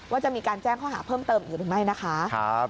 ว่าจะมีการแจ้งข้อหาเพิ่มเติมอยู่ไหมนะคะ